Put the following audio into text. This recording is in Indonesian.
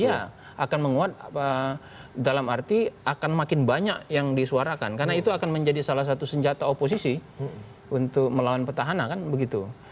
iya akan menguat dalam arti akan makin banyak yang disuarakan karena itu akan menjadi salah satu senjata oposisi untuk melawan petahana kan begitu